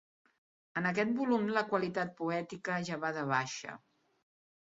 En aquest volum la qualitat poètica ja va de baixa.